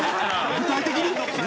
具体的に？